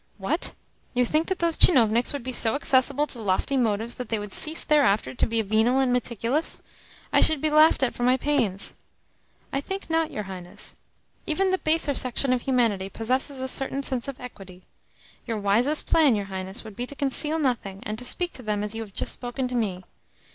"What? You think that those tchinovniks would be so accessible to lofty motives that they would cease thereafter to be venal and meticulous? I should be laughed at for my pains." "I think not, your Highness. Even the baser section of humanity possesses a certain sense of equity. Your wisest plan, your Highness, would be to conceal nothing and to speak to them as you have just spoken to me.